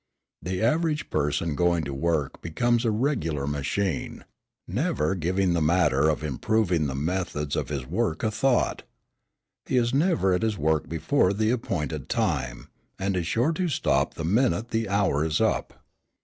The average person going to work becomes a regular machine, never giving the matter of improving the methods of his work a thought. He is never at his work before the appointed time, and is sure to stop the minute the hour is up.